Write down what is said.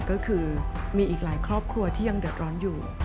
ก็คือมีอีกหลายครอบครัวที่ยังเดือดร้อนอยู่